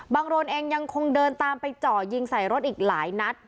โรนเองยังคงเดินตามไปเจาะยิงใส่รถอีกหลายนัด